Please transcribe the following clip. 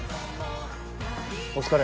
お疲れ。